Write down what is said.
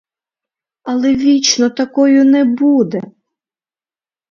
Але вічно такою не буде!